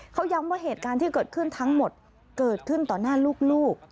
เขาย้ำว่าเหตุการณ์ที่เกิดขึ้นทั้งหมดเกิดขึ้นต่อหน้าลูก